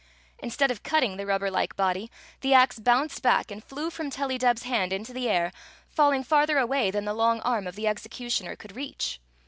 Instead of cutting the rubber like body, the ax bounced back and flew from Tellydeb's hand into the air, falling farther away than the long arm of the executioner could reach.